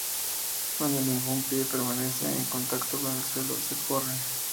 Cuando ningún pie permanece en contacto con el suelo, se corre.